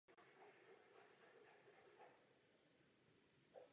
Jedině společným úsilím můžeme dosáhnout původně stanovených cílů jednotného trhu.